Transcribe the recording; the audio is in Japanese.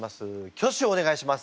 挙手をお願いします。